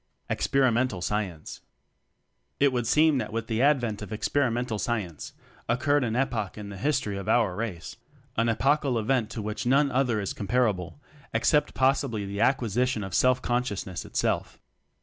Experimental Science. It would seem that with the advent of Experimental Science occurred an epoch in the history of our Race; an epochal event to which none other is comparable, except possibly the ac quisition of Self consciousness itself.